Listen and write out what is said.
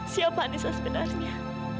siapa anissa sebenarnya